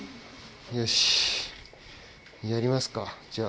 よしやりますかじゃあ。